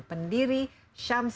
pendiri shamsi udapus